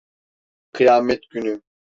Kıyamet Günü.